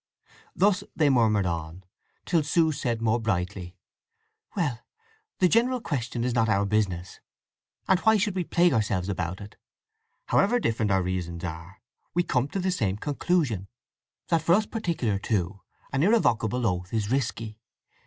Thus they murmured on, till Sue said more brightly: "Well—the general question is not our business, and why should we plague ourselves about it? However different our reasons are, we come to the same conclusion: that for us particular two, an irrevocable oath is risky.